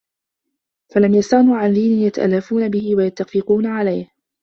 فَلَمْ يَسْتَغْنُوا عَنْ دِينٍ يَتَأَلَّفُونَ بِهِ وَيَتَّفِقُونَ عَلَيْهِ